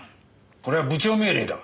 これは部長命令だ。